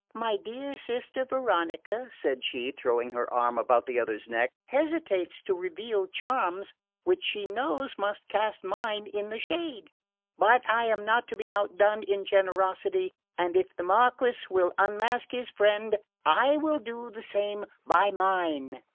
"My dear Sister Veronica," said she, throwing her arm about the other's neck, "hesitates to reveal charms which she knows must cast mine in the shade; but I am not to be outdone in generosity, and if the Marquess will unmask his friend I will do the same by mine."